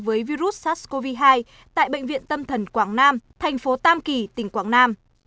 với virus sars cov hai tại bệnh viện tâm thần quảng nam thành phố tam kỳ tỉnh quảng nam